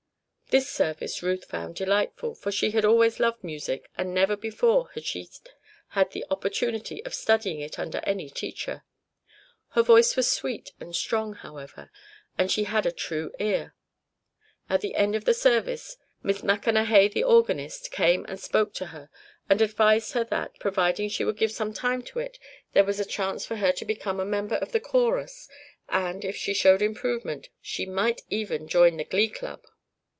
This service Ruth found delightful, for she had always loved music and never before had she had the opportunity of studying it under any teacher. Her voice was sweet and strong, however; and she had a true ear. At the end of the service Miss Maconahay, the organist, came and spoke to her and advised her that, providing she would give some time to it, there was a chance for her to become a member of the chorus and, if she showed improvement, she might even join the Glee Club.